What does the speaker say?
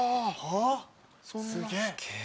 ・すげえ。